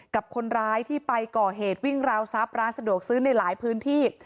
กับคนร้ายที่ไปก่อเหตุวิ่งราวทรัพย์ร้านสะดวกซื้อในหลายพื้นที่